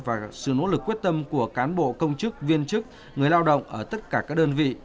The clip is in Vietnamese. và sự nỗ lực quyết tâm của cán bộ công chức viên chức người lao động ở tất cả các đơn vị